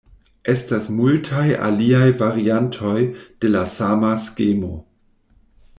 Estas multaj aliaj variantoj de la sama skemo.